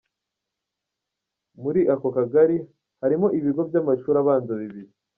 Mu ri ako kagari harimo ibigo by’amashuri abanza bibiri.